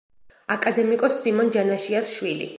აკადემიკოს სიმონ ჯანაშიას შვილი.